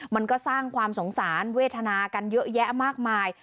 มันก็สร้างความสงสารเวทนากันเยอะแยะมากมาย